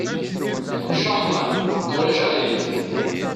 Champagne, ma ulac aɣilif.